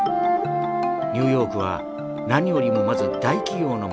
ニューヨークは何よりもまず大企業の街でした。